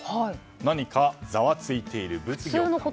何かざわついていると。